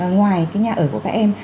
ngoài cái nhà ở của các em